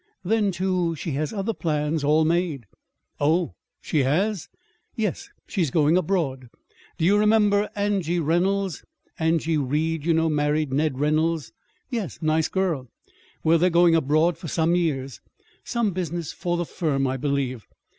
Then, too, she has other plans all made." "Oh, she has!" "Yes. She's going abroad. Do you remember Angie Reynolds? Angie Ried, you know married Ned Reynolds." "Yes. Nice girl!" "Well, they're going abroad for some years some business for the firm, I believe.